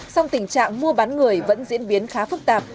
song tình trạng mua bán người vẫn diễn biến khá phức tạp